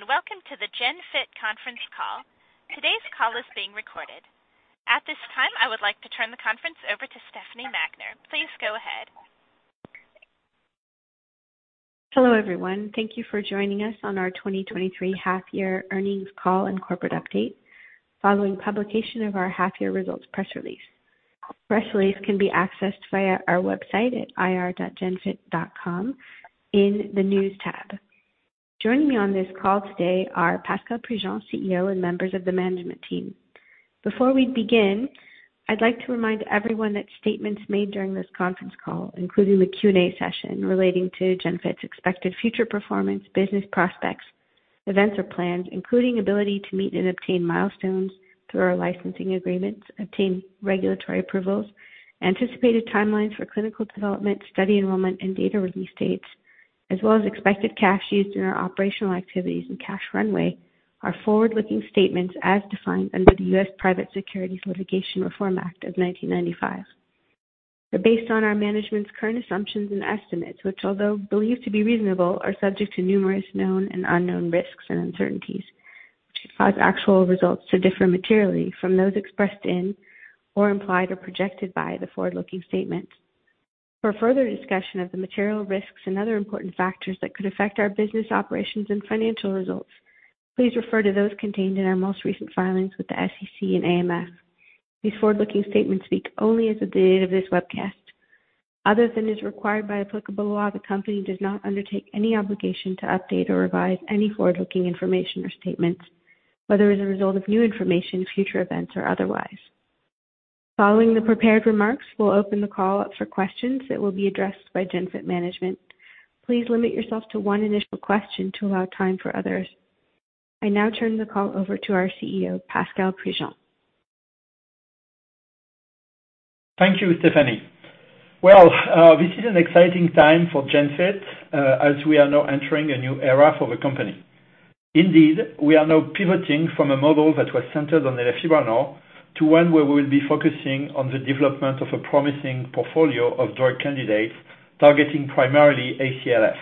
Good day, and welcome to the Genfit conference call. Today's call is being recorded. At this time, I would like to turn the conference over to Stefanie Magner. Please go ahead. Hello, everyone. Thank you for joining us on our 2023 half year earnings call and corporate update, following publication of our half year results press release. Press release can be accessed via our website at ir.genfit.com in the News tab. Joining me on this call today are Pascal Prigent, CEO, and members of the management team. Before we begin, I'd like to remind everyone that statements made during this conference call, including the Q&A session relating to Genfit's expected future performance, business prospects, events, or plans, including ability to meet and obtain milestones through our licensing agreements, obtain regulatory approvals, anticipated timelines for clinical development, study enrollment, and data release dates, as well as expected cash used in our operational activities and cash runway, are forward-looking statements as defined under the U.S. Private Securities Litigation Reform Act of 1995. They're based on our management's current assumptions and estimates, which, although believed to be reasonable, are subject to numerous known and unknown risks and uncertainties, which cause actual results to differ materially from those expressed in or implied or projected by the forward-looking statements. For further discussion of the material risks and other important factors that could affect our business operations and financial results, please refer to those contained in our most recent filings with the SEC and AMF. These forward-looking statements speak only as of the date of this webcast. Other than is required by applicable law, the company does not undertake any obligation to update or revise any forward-looking information or statements, whether as a result of new information, future events, or otherwise. Following the prepared remarks, we'll open the call up for questions that will be addressed by Genfit management. Please limit yourself to one initial question to allow time for others. I now turn the call over to our CEO, Pascal Prigent. Thank you, Stefanie. Well, this is an exciting time for Genfit, as we are now entering a new era for the company. Indeed, we are now pivoting from a model that was centered on elafibranor to one where we will be focusing on the development of a promising portfolio of drug candidates targeting primarily ACLF.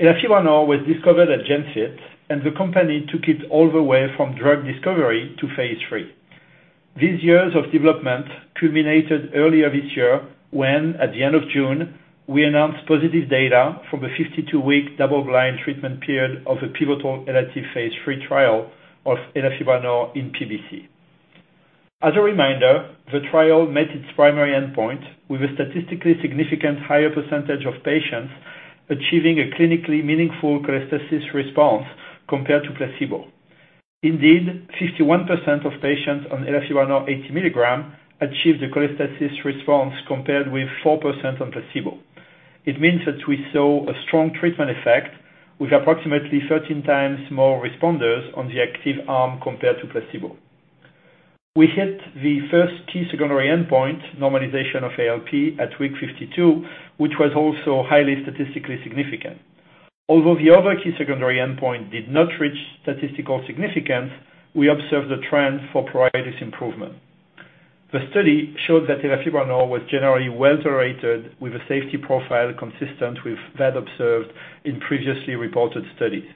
Elafibranor was discovered at Genfit, and the company took it all the way from drug discovery to phase III. These years of development culminated earlier this year when, at the end of June, we announced positive data from the 52-week double-blind treatment period of the pivotal ELATIVE phase III trial of elafibranor in PBC. As a reminder, the trial met its primary endpoint with a statistically significant higher percentage of patients achieving a clinically meaningful cholestasis response compared to placebo. Indeed, 51% of patients on elafibranor 80 milligrams achieved a cholestasis response, compared with 4% on placebo. It means that we saw a strong treatment effect, with approximately thirteen times more responders on the active arm compared to placebo. We hit the first key secondary endpoint, normalization of ALP at week 52, which was also highly statistically significant. Although the other key secondary endpoint did not reach statistical significance, we observed a trend for pruritus improvement. The study showed that elafibranor was generally well-tolerated, with a safety profile consistent with that observed in previously reported studies.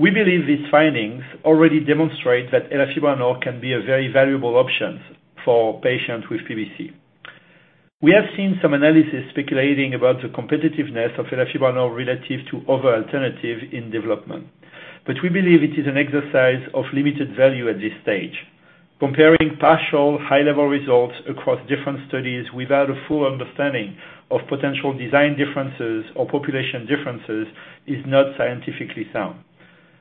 We believe these findings already demonstrate that elafibranor can be a very valuable option for patients with PBC. We have seen some analysis speculating about the competitiveness of elafibranor ELATIVE to other alternatives in development, but we believe it is an exercise of limited value at this stage. Comparing partial high-level results across different studies without a full understanding of potential design differences or population differences is not scientifically sound.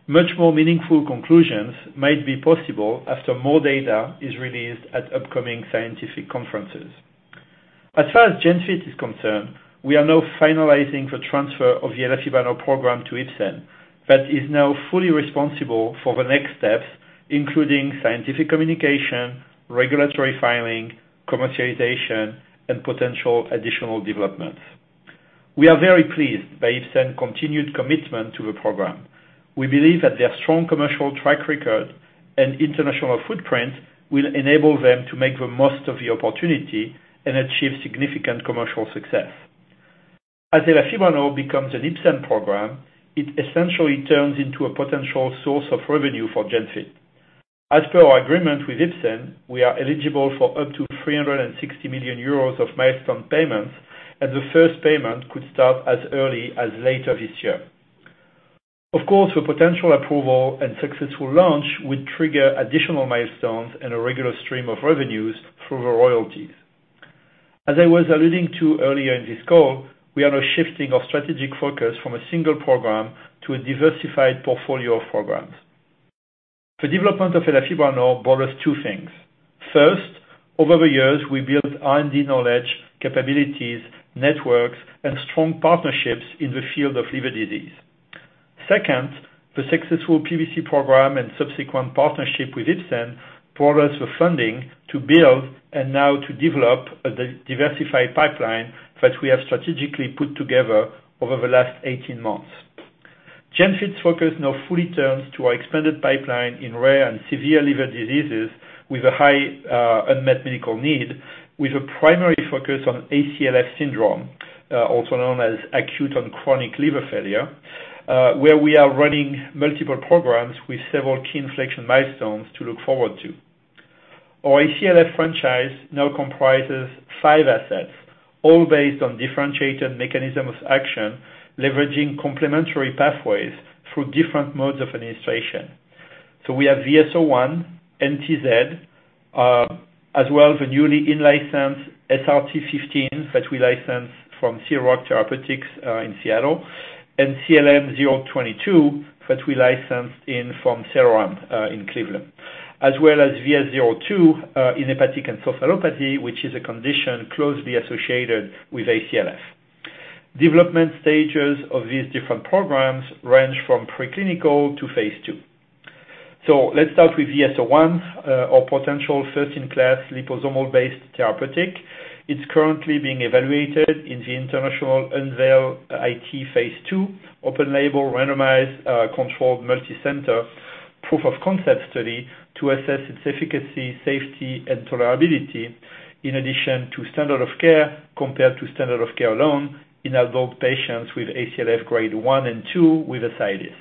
Much more meaningful conclusions might be possible after more data is released at upcoming scientific conferences. As far as Genfit is concerned, we are now finalizing the transfer of the elafibranor program to Ipsen. Ipsen is now fully responsible for the next steps, including scientific communication, regulatory filing, commercialization, and potential additional developments. We are very pleased by Ipsen's continued commitment to the program. We believe that their strong commercial track record and international footprint will enable them to make the most of the opportunity and achieve significant commercial success. As elafibranor becomes an Ipsen program, it essentially turns into a potential source of revenue for Genfit. As per our agreement with Ipsen, we are eligible for up to 360 million euros of milestone payments, and the first payment could start as early as later this year. Of course, the potential approval and successful launch would trigger additional milestones and a regular stream of revenues through the royalties. As I was alluding to earlier in this call, we are now shifting our strategic focus from a single program to a diversified portfolio of programs. The development of elafibranor brought us two things. First, over the years, we built R&D knowledge, capabilities, networks, and strong partnerships in the field of liver disease. Second, the successful PBC program and subsequent partnership with Ipsen brought us the funding to build and now to develop a diversified pipeline that we have strategically put together over the last 18 months. Genfit's focus now fully turns to our expanded pipeline in rare and severe liver diseases with a high, unmet medical need, with a primary focus on ACLF syndrome, also known as acute and chronic liver failure, where we are running multiple programs with several key inflection milestones to look forward to. Our ACLF franchise now comprises five assets, all based on differentiated mechanism of action, leveraging complementary pathways through different modes of administration. So we have VS-01, NTZ, as well as a newly in-licensed SRT-015, that we licensed from Seal Rock Therapeutics, in Seattle, and CLM-022, that we licensed in from Celloram, in Cleveland, as well as VS-02, in hepatic encephalopathy, which is a condition closely associated with ACLF. Development stages of these different programs range from preclinical to phase II. So let's start with VS-01, our potential first-in-class liposomal-based therapeutic. It's currently being evaluated in the international UNVEIL-IT phase II, open label, randomized, controlled multicenter proof of concept study to assess its efficacy, safety, and tolerability, in addition to standard of care, compared to standard of care alone in adult patients with ACLF grade one and two with ascites.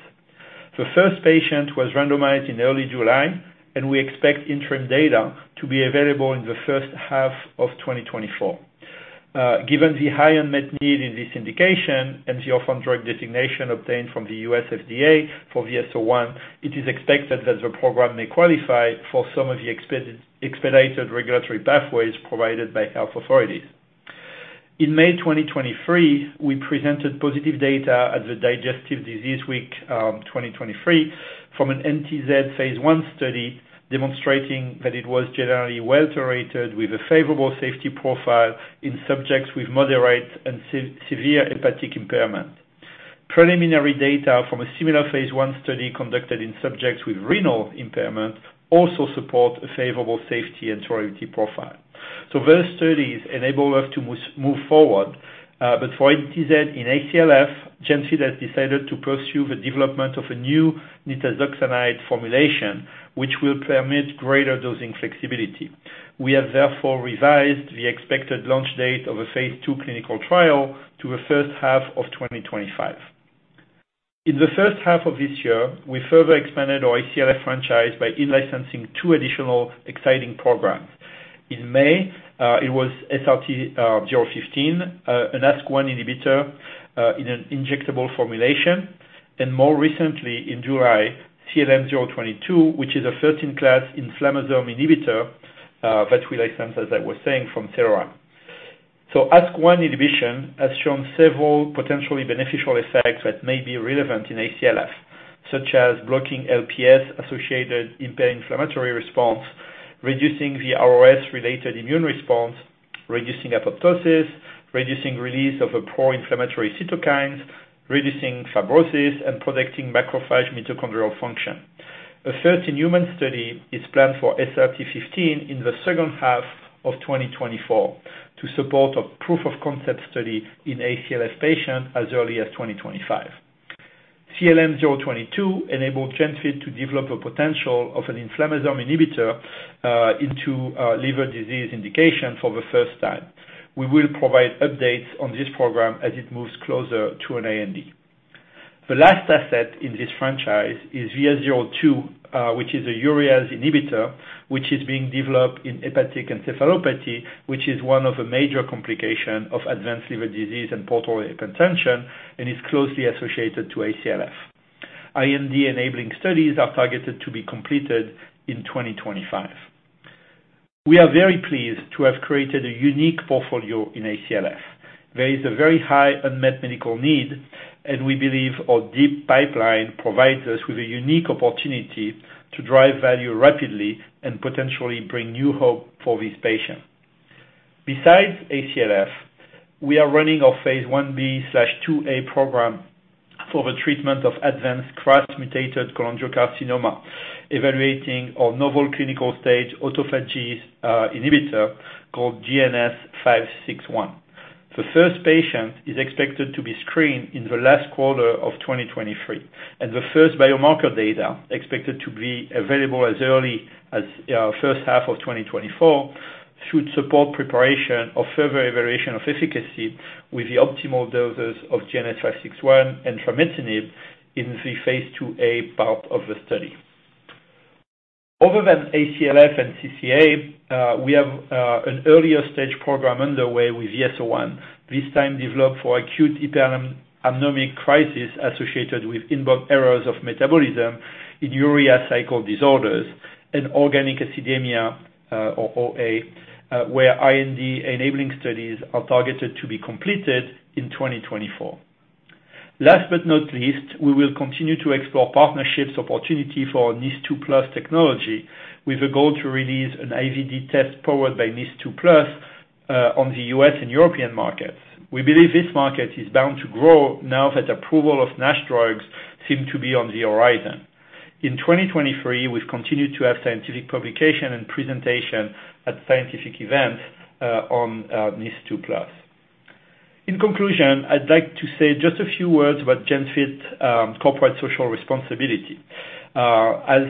The first patient was randomized in early July, and we expect interim data to be available in the first half of 2024. Given the high unmet need in this indication and the orphan drug designation obtained from the U.S. FDA for VS-01, it is expected that the program may qualify for some of the expedited regulatory pathways provided by health authorities. In May 2023, we presented positive data at the Digestive Disease Week, 2023, from an NTZ phase I study, demonstrating that it was generally well-tolerated with a favorable safety profile in subjects with moderate and severe hepatic impairment. Preliminary data from a similar phase I study conducted in subjects with renal impairment also support a favorable safety and tolerability profile. So those studies enable us to move forward, but for NTZ in ACLF, Genfit has decided to pursue the development of a new nitazoxanide formulation, which will permit greater dosing flexibility. We have therefore revised the expected launch date of a phase II clinical trial to the first half of 2025. In the first half of this year, we further expanded our ACLF franchise by in-licensing two additional exciting programs. In May, it was SRT-015, an ASK1 inhibitor, in an injectable formulation, and more recently, in July, CLM-022, which is a first-in-class inflammasome inhibitor, that we licensed, as I was saying, from Celloram. So ASK1 inhibition has shown several potentially beneficial effects that may be relevant in ACLF, such as blocking LPS-associated impaired inflammatory response, reducing the ROS-related immune response, reducing apoptosis, reducing release of a pro-inflammatory cytokines, reducing fibrosis, and protecting macrophage mitochondrial function. A first-in-human study is planned for SRT-015 in the second half of 2024 to support a proof of concept study in ACLF patients as early as 2025. CLM-022 enabled Genfit to develop a potential of an inflammasome inhibitor into a liver disease indication for the first time. We will provide updates on this program as it moves closer to an IND. The last asset in this franchise is VS-02, which is a urease inhibitor, which is being developed in hepatic encephalopathy, which is one of the major complications of advanced liver disease and portal hypertension and is closely associated to ACLF. IND enabling studies are targeted to be completed in 2025. We are very pleased to have created a unique portfolio in ACLF. There is a very high unmet medical need, and we believe our deep pipeline provides us with a unique opportunity to drive value rapidly and potentially bring new hope for these patients. Besides ACLF, we are running our phase Ib/2a program for the treatment of advanced KRAS-mutated cholangiocarcinoma, evaluating our novel clinical-stage autophagy inhibitor called GNS561. The first patient is expected to be screened in the last quarter of 2023, and the first biomarker data, expected to be available as early as first half of 2024, should support preparation of further evaluation of efficacy with the optimal doses of GNS561 and trametinib in the phase IIA part of the study. Other than ACLF and CCA, we have an earlier stage program underway with VS-01, this time developed for acute hyperammonemic crisis associated with inborn errors of metabolism in urea cycle disorders and organic acidemia, or OA, where IND enabling studies are targeted to be completed in 2024. Last but not least, we will continue to explore partnerships opportunity for our NIS2+ technology, with a goal to release an IVD test powered by NIS2+ on the U.S. and European markets. We believe this market is bound to grow now that approval of NASH drugs seem to be on the horizon. In 2023, we've continued to have scientific publication and presentation at scientific events on NIS2+. In conclusion, I'd like to say just a few words about Genfit's corporate social responsibility. As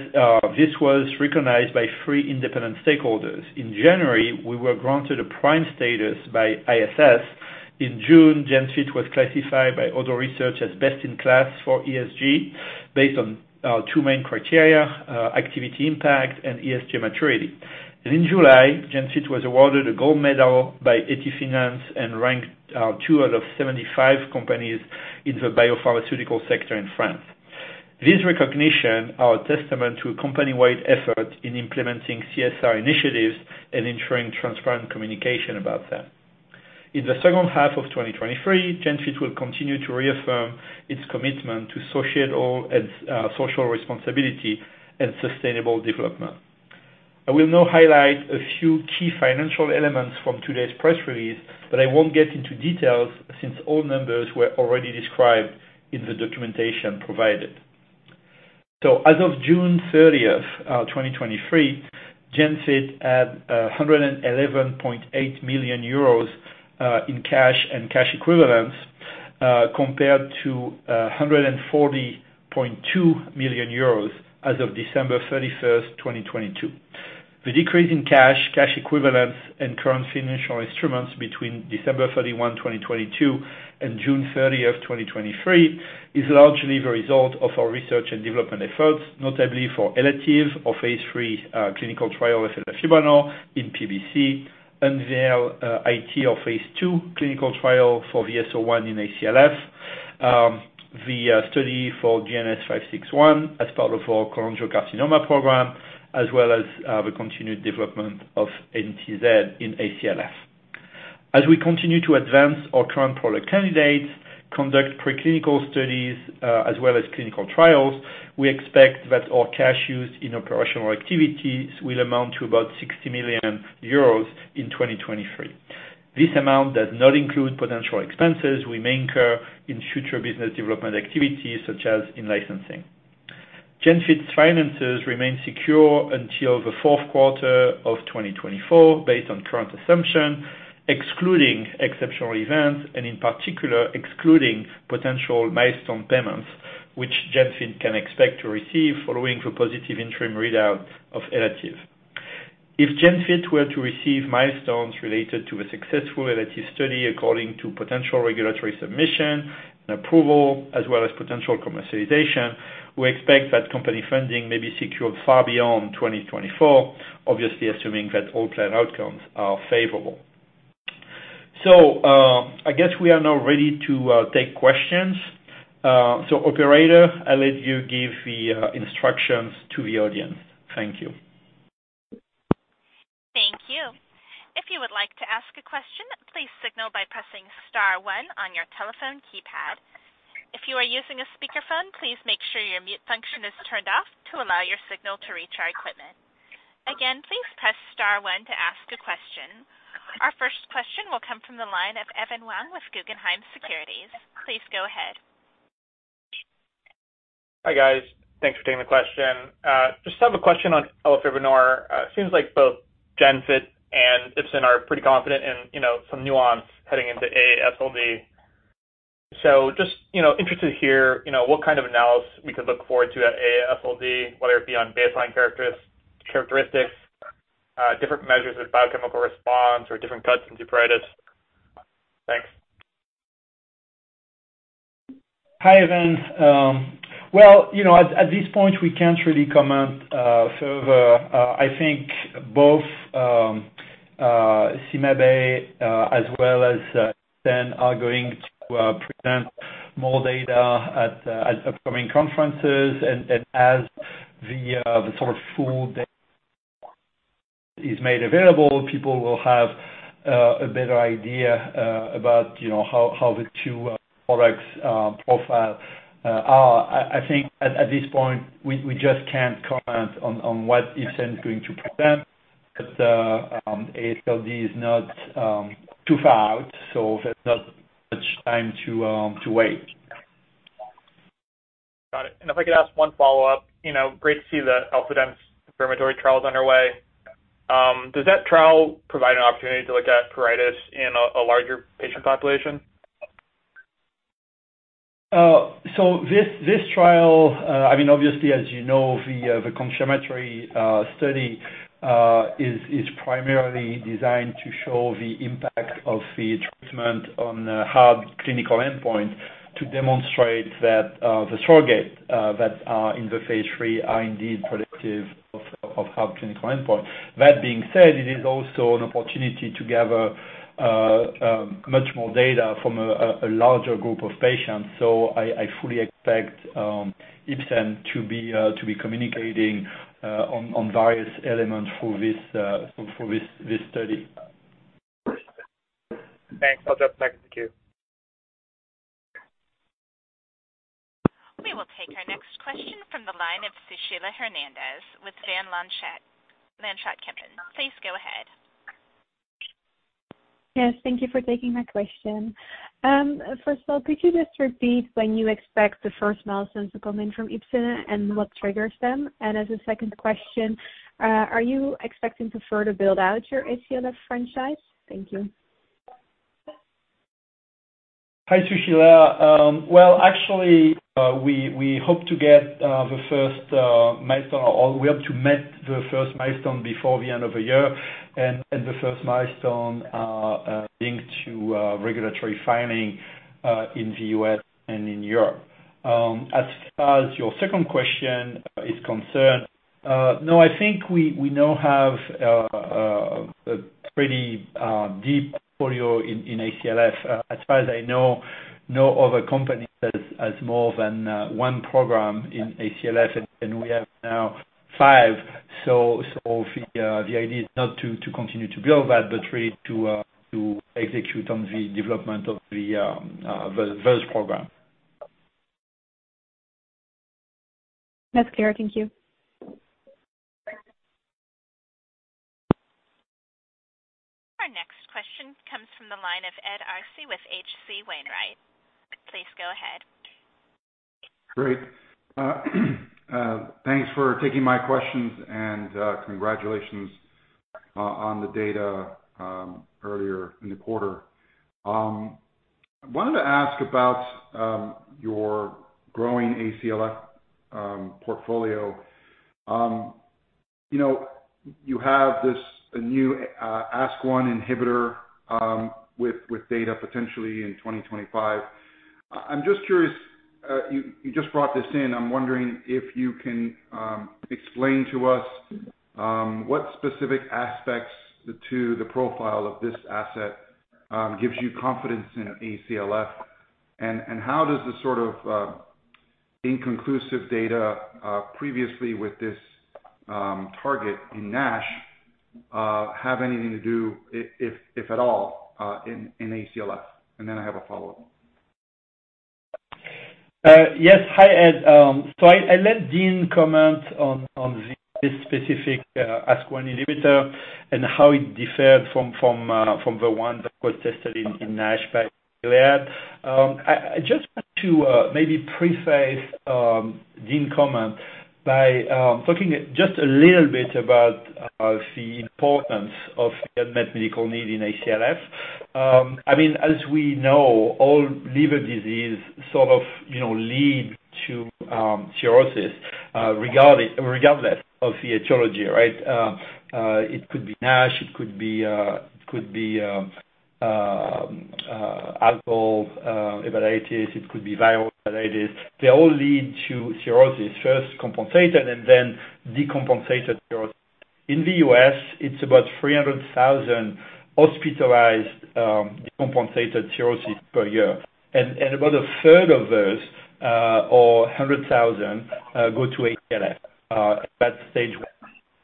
this was recognized by three independent stakeholders. In January, we were granted a Prime status by ISS. In June, Genfit was classified by Oddo BHF research as best in class for ESG, based on two main criteria, activity impact and ESG maturity. In July, Genfit was awarded a gold medal by EthiFinance and ranked 2 out of 75 companies in the biopharmaceutical sector in France. These recognition are a testament to a company-wide effort in implementing CSR initiatives and ensuring transparent communication about them. In the second half of 2023, Genfit will continue to reaffirm its commitment to associate all its social responsibility and sustainable development. I will now highlight a few key financial elements from today's press release, but I won't get into details since all numbers were already described in the documentation provided. As of June 30, 2023, Genfit had 111.8 million euros in cash and cash equivalents, compared to 140.2 million euros as of December 31, 2022. The decrease in cash, cash equivalents, and current financial instruments between December 31, 2022, and June 30, 2023, is largely the result of our research and development efforts, notably for ELFIDENCE phase III clinical trial with elafibranor in PBC, UNVEIL-IT of phase II clinical trial for VS-01 in ACLF, the study for GNS561 as part of our cholangiocarcinoma program, as well as the continued development of nitazoxanide in ACLF. As we continue to advance our current product candidates, conduct preclinical studies, as well as clinical trials, we expect that our cash use in operational activities will amount to about 60 million euros in 2023. This amount does not include potential expenses we may incur in future business development activities, such as in licensing. Genfit's finances remain secure until the Q4 of 2024, based on current assumption, excluding exceptional events and in particular, excluding potential milestone payments, which Genfit can expect to receive following the positive interim readout of ELATIVE. If Genfit were to receive milestones related to a successful ELATIVE study, according to potential regulatory submission and approval, as well as potential commercialization, we expect that company funding may be secured far beyond 2024, obviously, assuming that all planned outcomes are favorable. I guess we are now ready to take questions. Operator, I'll let you give the instructions to the audience. Thank you. Thank you. If you would like to ask a question, please signal by pressing star one on your telephone keypad. If you are using a speakerphone, please make sure your mute function is turned off to allow your signal to reach our equipment. Again, please press star one to ask a question. Our first question will come from the line of Evan Wang with Guggenheim Securities. Please go ahead. Hi, guys. Thanks for taking the question. Just have a question on elafibranor. It seems like both Genfit and Ipsen are pretty confident in, you know, some nuance heading into AASLD. So just, you know, interested to hear, you know, what kind of analysis we could look forward to at AASLD, whether it be on baseline characteristics, different measures of biochemical response or different cuts in seladelpar. Thanks. Hi, Evan. Well, you know, at this point, we can't really comment further. I think both CymaBay as well as Ipsen are going to present more data at upcoming conferences. And as the sort of full data is made available, people will have a better idea about, you know, how the two products profile are. I think at this point, we just can't comment on what Ipsen is going to present, but AASLD is not too far out, so there's not much time to wait. Got it. And if I could ask one follow-up. You know, great to see the ELFIDENCE confirmatory trial is underway. Does that trial provide an opportunity to look at pruritus in a larger patient population? So this trial is primarily designed to show the impact of the treatment on the hard clinical endpoint to demonstrate that the target that are in the phase III are indeed productive of hard clinical endpoint. That being said, it is also an opportunity to gather much more data from a larger group of patients. So I fully expect Ipsen to be communicating on various elements for this study. Thanks. I'll just thank you. We will take our next question from the line of Sushila Hernandez with Van Lanschot Kempen. Please go ahead. Yes, thank you for taking my question. First of all, could you just repeat when you expect the first milestone to come in from Ipsen and what triggers them? And as a second question, are you expecting to further build out your ACLF franchise? Thank you. Hi, Sushila. Well, actually, we hope to get the first milestone, or we hope to meet the first milestone before the end of the year, and the first milestone linked to regulatory filing in the U.S. and in Europe. As your second question is concerned, no, I think we now have a pretty deep portfolio in ACLF. As far as I know, no other company has more than one program in ACLF, and we have now five. The idea is not to continue to build that, but really to execute on the development of the first program. That's clear. Thank you. Our next question comes from the line of Ed Arce with H.C. Wainwright. Please go ahead. Great. Thanks for taking my questions, and congratulations on the data earlier in the quarter. I wanted to ask about your growing ACLF portfolio. You know, you have this a new ASK1 inhibitor with data potentially in 2025. I'm just curious, you just brought this in. I'm wondering if you can explain to us what specific aspects to the profile of this asset gives you confidence in ACLF? And how does this sort of inconclusive data previously with this target in NASH have anything to do, if at all, in ACLF? And then I have a follow-up. Yes. Hi, Ed. So I'll let Dean comment on this specific ASK1 inhibitor and how it differed from the one that was tested in NASH. I just want to maybe preface Dean's comment by talking just a little bit about the importance of unmet medical need in ACLF. I mean, as we know, all liver disease sort of, you know, lead to cirrhosis, regardless of the etiology, right? It could be NASH, it could be alcoholic hepatitis. It could be viral hepatitis. They all lead to cirrhosis, first compensated and then decompensated cirrhosis. In the U.S., it's about 300,000 hospitalized decompensated cirrhosis per year. About a third of those, or 100,000, go to ACLF at that stage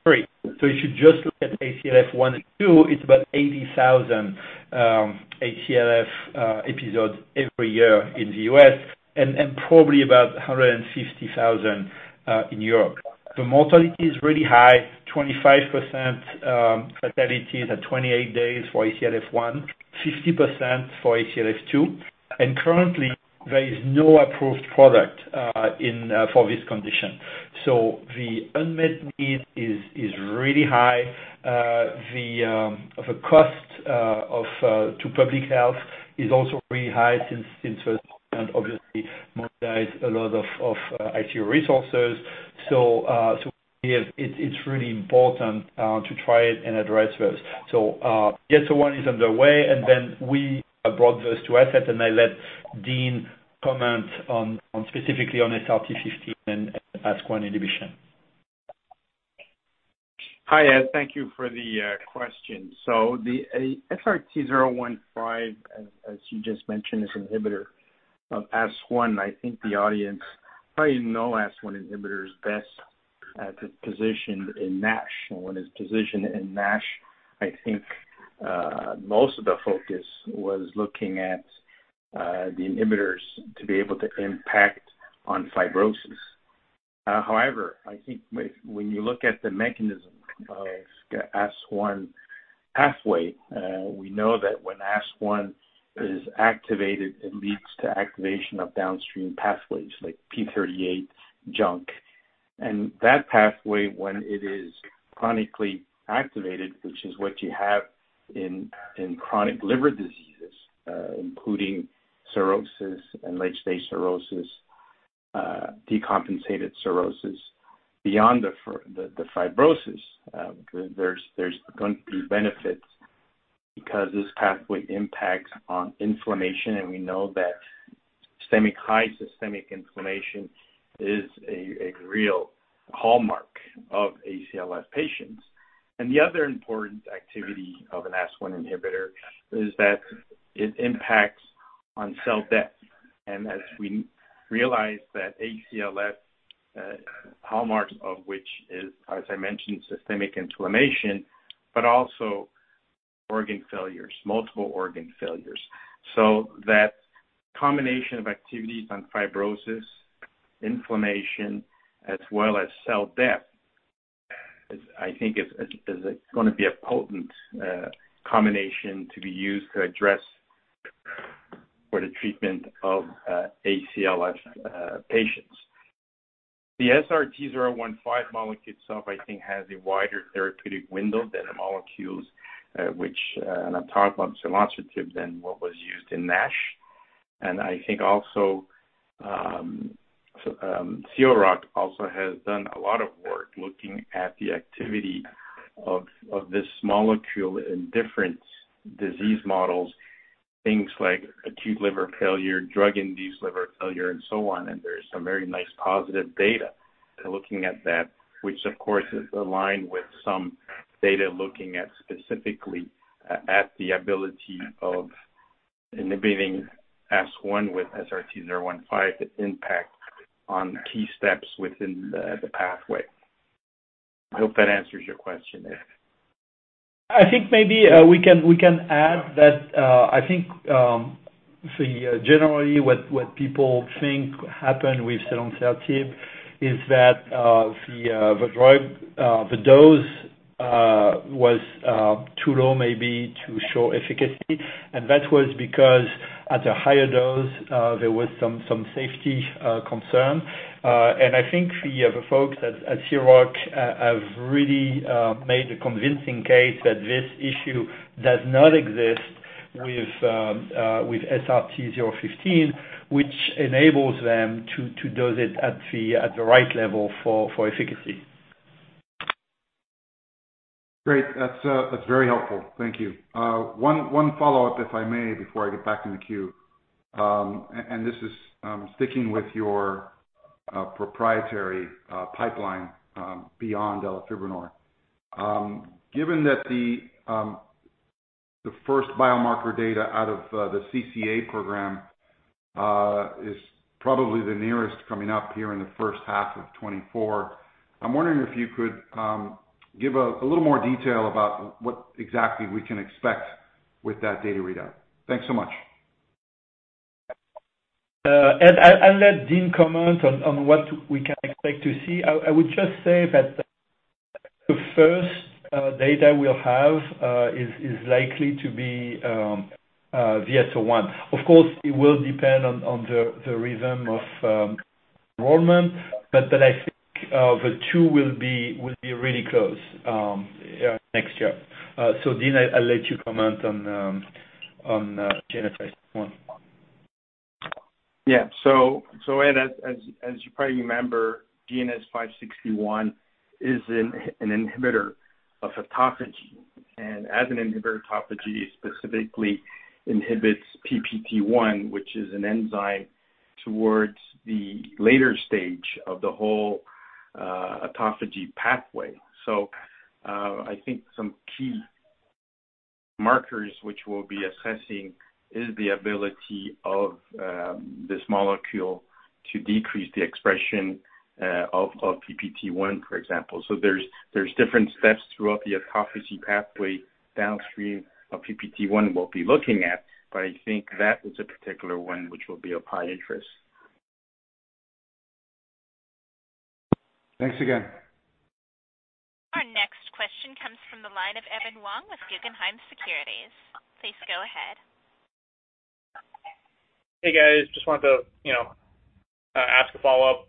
three. If you just look at ACLF one and two, it's about 80,000 ACLF episodes every year in the U.S., and probably about 150,000 in Europe. The mortality is really high, 25% fatalities at 28 days for ACLF one, 50% for ACLF two, and currently there is no approved product for this condition. The unmet need is really high. The cost to public health is also really high since it obviously mobilizes a lot of ICU resources. It's really important to try and address this. Yes, one is underway, and then we brought those two assets, and I let Dean comment on, on specifically on SRT-015 and ASK1 inhibition. Hi, Ed, thank you for the, question. So the SRT-015, as, as you just mentioned, is an inhibitor of ASK1. I think the audience probably know ASK1 inhibitor is best at the position in NASH. And when it's positioned in NASH, I think, most of the focus was looking at, the inhibitors to be able to impact on fibrosis. However, I think when, when you look at the mechanism of ASK1 pathway, we know that when ASK1 is activated, it leads to activation of downstream pathways like p38 JNK. And that pathway, when it is chronically activated, which is what you have in, in chronic liver diseases, including cirrhosis and late-stage cirrhosis, decompensated cirrhosis. Beyond the fibrosis, there's going to be benefits because this pathway impacts on inflammation, and we know that systemic, high systemic inflammation is a real hallmark of ACLF patients. And the other important activity of an ASK1 inhibitor is that it impacts on cell death. And as we realize that ACLF hallmarks of which is, as I mentioned, systemic inflammation, but also organ failures, multiple organ failures. So that combination of activities on fibrosis, inflammation, as well as cell death, is, I think, going to be a potent combination to be used to address for the treatment of ACLF patients. The SRT-015 molecule itself, I think, has a wider therapeutic window than the molecules which and I'm talking about selonsertib than what was used in NASH. I think also, Seal Rock also has done a lot of work looking at the activity of, of this molecule in different disease models, things like acute liver failure, drug-induced liver failure, and so on. There is some very nice positive data looking at that, which of course, is aligned with some data looking at specifically at, at the ability of inhibiting ASK1 with SRT-015, impact on key steps within the, the pathway. I hope that answers your question, Ed. I think maybe we can add that. I think generally what people think happened with selonsertib is that the drug dose was too low, maybe, to show efficacy. And that was because at a higher dose there was some safety concern. And I think the folks at Seal Rock have really made a convincing case that this issue does not exist with SRT-015, which enables them to dose it at the right level for efficacy. Great. That's very helpful. Thank you. One follow-up, if I may, before I get back in the queue. This is sticking with your proprietary pipeline, beyond elafibranor. Given that the first biomarker data out of the CCA program is probably the nearest coming up here in the first half of 2024, I'm wondering if you could give a little more detail about what exactly we can expect with that data readout. Thanks so much. Ed, I'll let Dean comment on what we can expect to see. I would just say that the first data we'll have is likely to be VS-01. Of course, it will depend on the rhythm of enrollment, but then I think the two will be really close next year. So Dean, I'll let you comment on GNS561. Yeah. Ed, as you probably remember, GNS561 is an inhibitor of autophagy. As an inhibitor of autophagy, it specifically inhibits PPT1, which is an enzyme towards the later stage of the whole autophagy pathway. I think some key markers, which we'll be assessing, is the ability of this molecule to decrease the expression of PPT1, for example. There are different steps throughout the autophagy pathway downstream of PPT1 we'll be looking at, but I think that is a particular one, which will be of high interest. Thanks again. Our next question comes from the line of Evan Wang with Guggenheim Securities. Please go ahead. Hey, guys, just wanted to, you know, ask a follow-up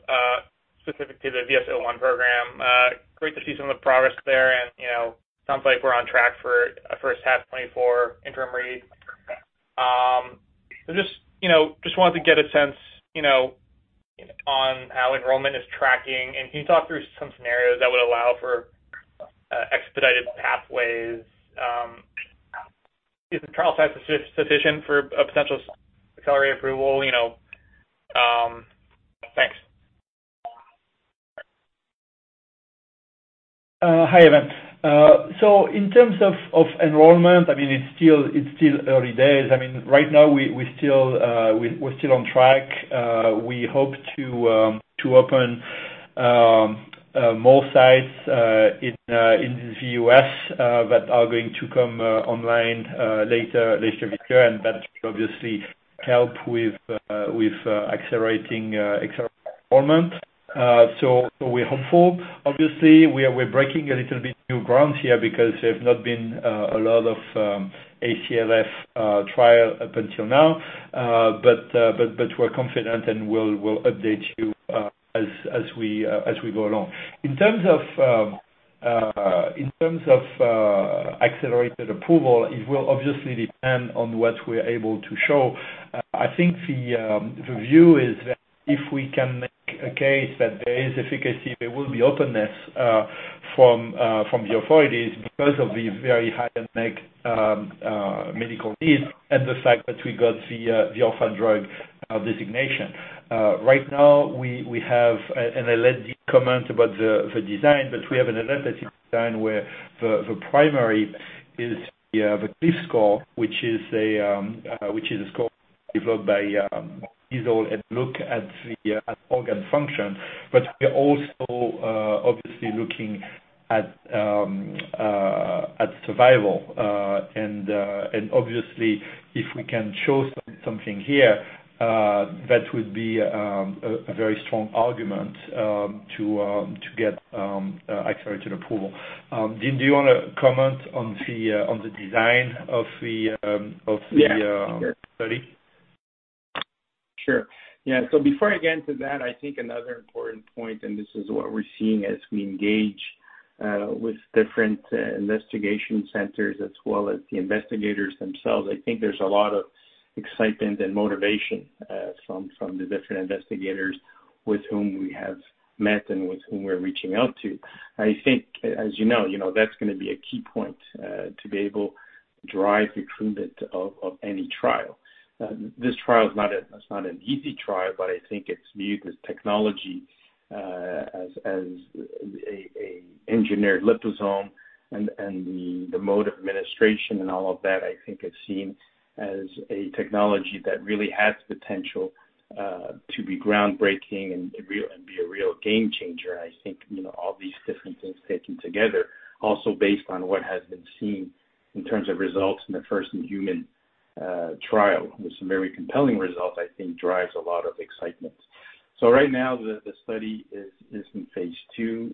specific to the VS-01 program. Great to see some of the progress there, and, you know, sounds like we're on track for a first half 2024 interim read. So just, you know, just wanted to get a sense, you know, on how enrollment is tracking, and can you talk through some scenarios that would allow for expedited pathways? Is the trial size sufficient for a potential accelerated approval, you know? Thanks. Hi, Evan. So in terms of enrollment, I mean, it's still early days. I mean, right now, we still, we're still on track. We hope to open more sites in the U.S. that are going to come online later this year, and that obviously help with accelerating enrollment. So we're hopeful. Obviously, we're breaking a little bit new ground here because there have not been a lot of ACLF trial up until now. But we're confident and we'll update you as we go along. In terms of accelerated approval, it will obviously depend on what we're able to show. I think the view is that if we can make a case that there is efficacy, there will be openness from the authorities because of the very high unmet medical need and the fact that we got the orphan drug designation. Right now, we have, and I'll let Dean comment about the design, but we have an adaptive design, where the primary is the CLIF-ACLF score, which is a score developed by EASL, and look at organ function. But we're also obviously looking at survival, and obviously, if we can show something here, that would be a very strong argument to get accelerated approval. Dean, do you want to comment on the, on the design of the, of the, Yeah. - study? Sure. Yeah, before I get into that, I think another important point, and this is what we're seeing as we engage with different investigation centers as well as the investigators themselves, I think there's a lot of excitement and motivation from the different investigators with whom we have met and with whom we're reaching out to. I think, as you know, you know, that's gonna be a key point to be able to drive recruitment of any trial. This trial is not an easy trial, but I think it's viewed as technology, as a engineered liposome and the mode of administration and all of that, I think is seen as a technology that really has potential to be groundbreaking and real, and be a real game changer. I think, you know, all these different things taken together, also based on what has been seen in terms of results in the first human trial, with some very compelling results, I think drives a lot of excitement. Right now, the study is in phase II.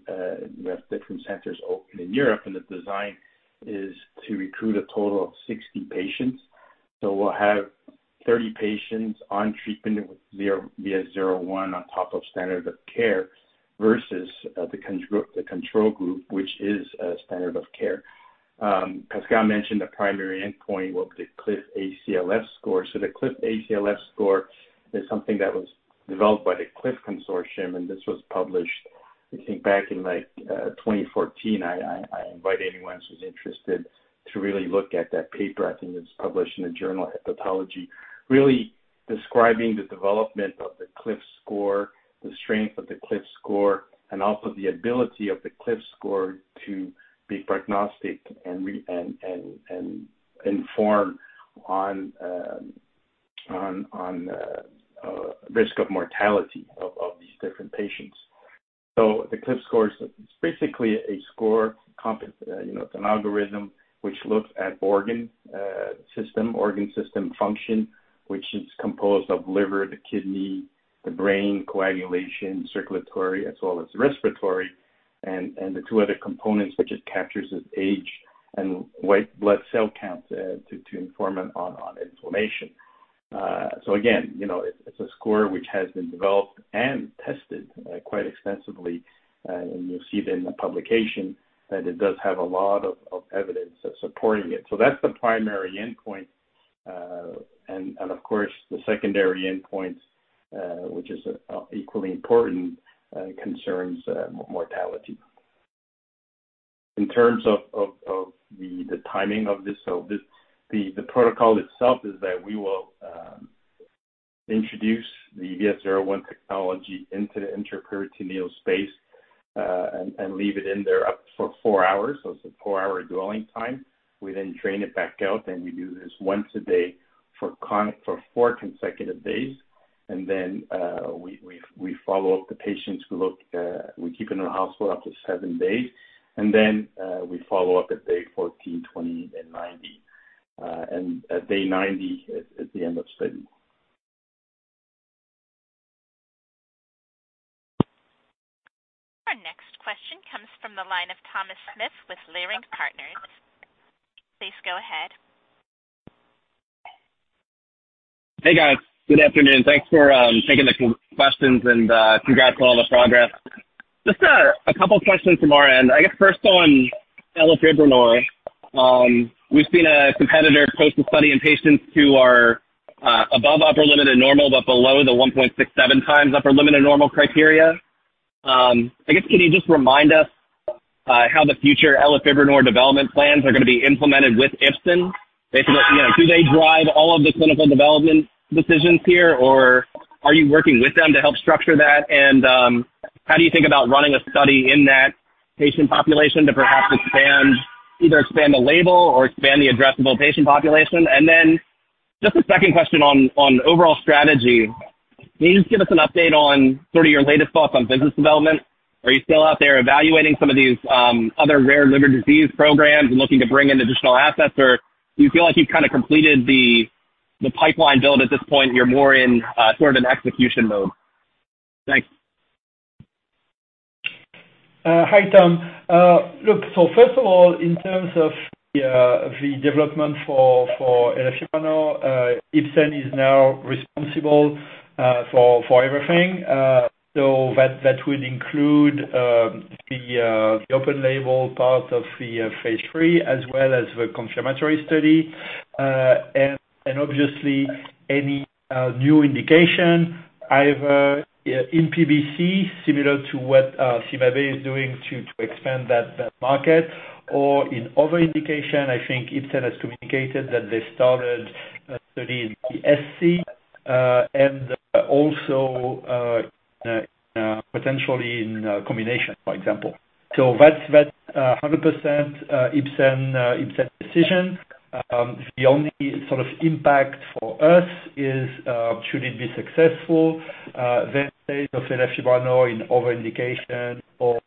We have different centers open in Europe, and the design is to recruit a total of 60 patients. We'll have 30 patients on treatment with VS-01 on top of standard of care, versus the control group, which is standard of care. Pascal mentioned the primary endpoint with the CLIF-ACLF score. The CLIF-ACLF score is something that was developed by the CLIF consortium, and this was published, I think, back in, like, 2014. I invite anyone who's interested to really look at that paper. I think it's published in a journal, Hepatology. Really describing the development of the CLIF score, the strength of the CLIF score, and also the ability of the CLIF score to be prognostic and inform on, you know, risk of mortality of these different patients. The CLIF score is basically a score comp, you know, it's an algorithm which looks at organ system function, which is composed of liver, the kidney, the brain, coagulation, circulatory, as well as respiratory. The two other components, which it captures, is age and white blood cell count, to inform on inflammation. Again, you know, it's a score which has been developed and tested quite extensively, and you'll see it in the publication, that it does have a lot of evidence supporting it. So that's the primary endpoint. And of course, the secondary endpoint, which is equally important, concerns mortality. In terms of the timing of this, so the protocol itself is that we will introduce the VS-01 technology into the intraperitoneal space, and leave it in there up for 4 hours. So it's a 4-hour dwelling time. We then drain it back out, and we do this once a day for 4 consecutive days. And then, we follow up the patients. We look, we keep them in the hospital up to 7 days, and then, we follow up at day 14, 20, and 90. And at day 90, at the end of study. Our next question comes from the line of Thomas Smith with Leerink Partners. Please go ahead. Hey, guys. Good afternoon. Thanks for taking the questions, and congrats on all the progress. Just a couple questions from our end. I guess first on elafibranor. We've seen a competitor post a study in patients who are above upper limit of normal, but below the 1.67 times upper limit of normal criteria. I guess, can you just remind us how the future elafibranor development plans are going to be implemented with Ipsen? You know, do they drive all of the clinical development decisions here, or are you working with them to help structure that? And how do you think about running a study in that patient population to perhaps expand- either expand the label or expand the addressable patient population? And then just a second question on overall strategy. Can you just give us an update on sort of your latest thoughts on business development? Are you still out there evaluating some of these other rare liver disease programs and looking to bring in additional assets, or do you feel like you've kind of completed the pipeline build at this point, you're more in sort of an execution mode? Thanks. Hi, Tom. Look, first of all, in terms of the development for elafibranor, Ipsen is now responsible for everything. That would include the open label part of the phase III, as well as the confirmatory study. Obviously, any new indication, either in PBC, similar to what CymaBay is doing to expand that market, or in other indication, I think Ipsen has communicated that they started a study in PSC, and also potentially in combination, for example. That's 100% Ipsen, Ipsen decision. The only sort of impact for us is, should it be successful, then state of elafibranor in overindication or-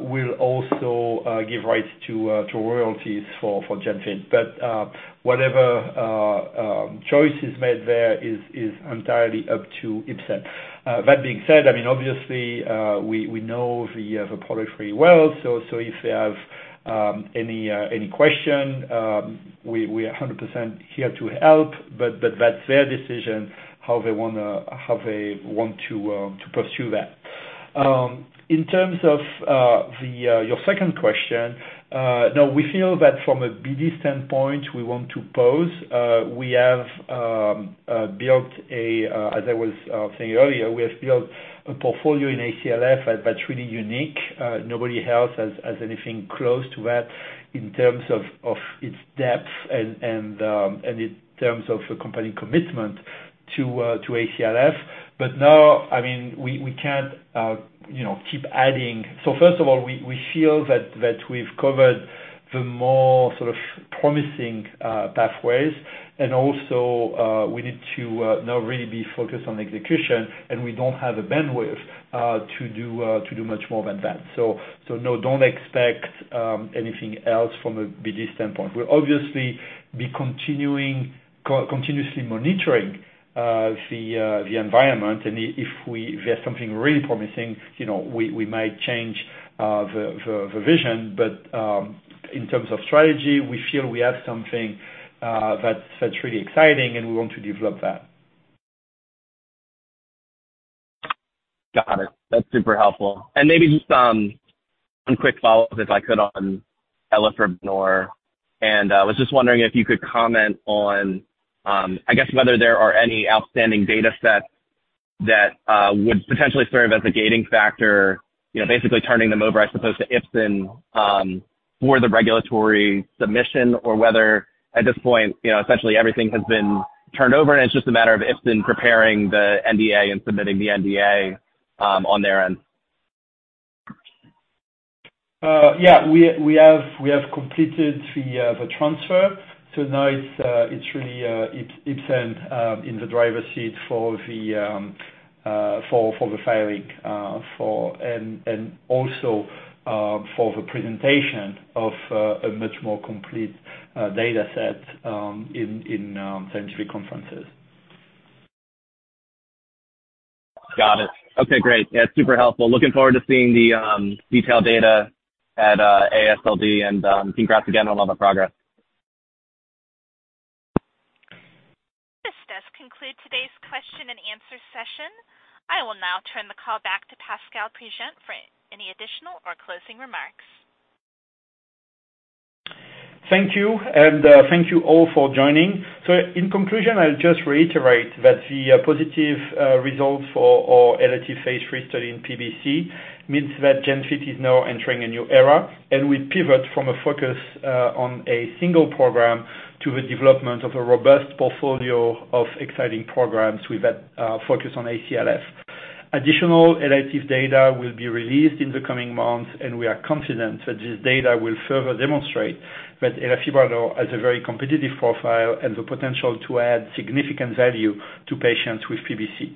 Will also give rights to royalties for Genfit. But whatever choice is made there is entirely up to Ipsen. That being said, I mean, obviously, we know the product very well. So if they have any question, we are 100% here to help, but that's their decision, how they want to pursue that. In terms of your second question, no, we feel that from a BD standpoint, we want to pause. We have, as I was saying earlier, built a portfolio in ACLF that's really unique. Nobody else has anything close to that in terms of its depth and in terms of the company commitment to ACLF. But now, I mean, we can't, you know, keep adding... So first of all, we feel that we've covered the more sort of promising pathways. And also, we need to now really be focused on execution, and we don't have the bandwidth to do much more than that. So no, don't expect anything else from a BD standpoint. We'll obviously be continuing continuously monitoring the environment, and if there's something really promising, you know, we might change the vision. But, in terms of strategy, we feel we have something that's really exciting, and we want to develop that. Got it. That's super helpful. And maybe just one quick follow-up, if I could, on elafibranor. And I was just wondering if you could comment on, I guess whether there are any outstanding data sets that would potentially serve as a gating factor, you know, basically turning them over as opposed to Ipsen for the regulatory submission, or whether at this point, you know, essentially everything has been turned over, and it's just a matter of Ipsen preparing the NDA and submitting the NDA on their end? Yeah, we have completed the transfer. So now it's really Ipsen in the driver's seat for the filing and also for the presentation of a much more complete data set in scientific conferences. Got it. Okay, great. Yeah, super helpful. Looking forward to seeing the detailed data at AASLD, and congrats again on all the progress. This does conclude today's question and answer session. I will now turn the call back to Pascal Prigent for any additional or closing remarks. Thank you, and thank you all for joining. In conclusion, I'll just reiterate that the positive results for our ELATIVE phase III study in PBC means that Genfit is now entering a new era, and we pivot from a focus on a single program to the development of a robust portfolio of exciting programs with that focus on ACLF. Additional ELATIVE data will be released in the coming months, and we are confident that this data will further demonstrate that elafibranor has a very competitive profile and the potential to add significant value to patients with PBC.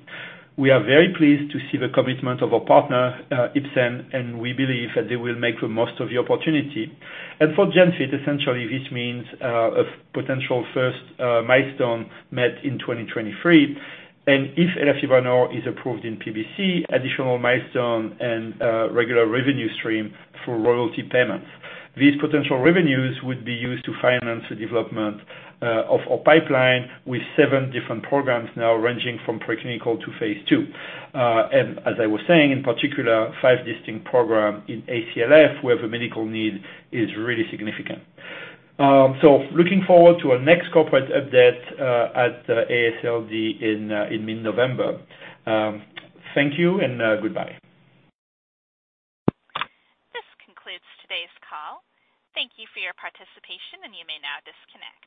We are very pleased to see the commitment of our partner, Ipsen, and we believe that they will make the most of the opportunity. For Genfit, essentially, this means a potential first milestone met in 2023. If elafibranor is approved in PBC, additional milestone and regular revenue stream for royalty payments. These potential revenues would be used to finance the development of our pipeline, with 7 different programs now ranging from preclinical to phase II. As I was saying, in particular, 5 distinct program in ACLF, where the medical need is really significant. Looking forward to our next corporate update at AASLD in mid-November. Thank you and goodbye. This concludes today's call. Thank you for your participation, and you may now disconnect.